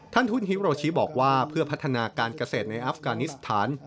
หุ้นฮิโรชิบอกว่าเพื่อพัฒนาการเกษตรในอัฟกานิสถาน